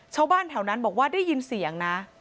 ชาวบ้านแถวนั้นบอกว่าได้ยินเสียงนะ